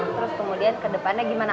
terus kemudian kedepannya gimana